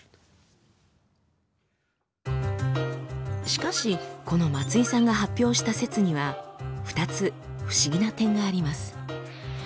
しかしこの松井さんが発表した説には２つ不思議な点があります。